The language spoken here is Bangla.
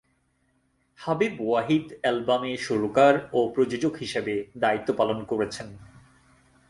হাবিব ওয়াহিদ অ্যালবামে সুরকার ও প্রযোজক হিসাবে দায়িত্ব পালন করেছেন।